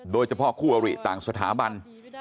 โดยเฉพาะคู่อริต่างสถาบัน